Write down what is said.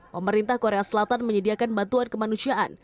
pemerintah korea selatan menyediakan bantuan kemanusiaan